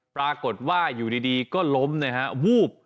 ปรากฏว่าอยู่ดีก็ล้มนะฮะวูบ